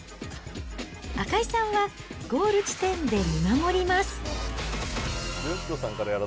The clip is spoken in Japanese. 赤井さんは、ゴール地点で見守ります。